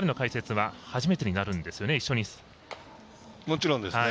もちろんですね。